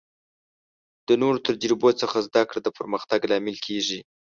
د نورو د تجربو څخه زده کړه د پرمختګ لامل کیږي.